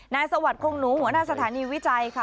สวัสดิคงหนูหัวหน้าสถานีวิจัยค่ะ